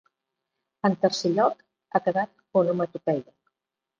En tercer lloc ha quedat “onomatopeia”.